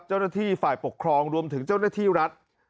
เจ้าหน้าที่ฝ่ายปกครองรวมถึงเจ้าหน้าที่รัฐ